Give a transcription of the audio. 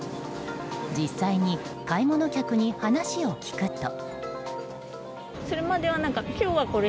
実際に、買い物客に話を聞くと。